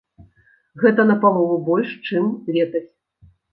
Гэта напалову больш, чым летась.